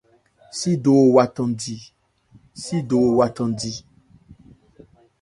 Sídowo wa thandi.